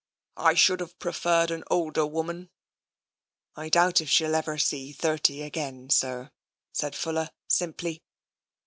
I should have preferred an older woman." " I doubt if she'll ever see thirty again, sir," said Fuller simply.